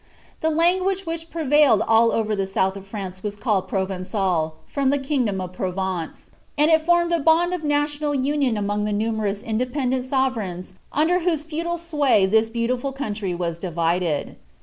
The language which prevailed all over the south of France was called Provencal, from the kingdom of Provence ; and it formed a bond of national union among the numerous independent sovereigns under whose feudal s\nj this beautiful country was divided.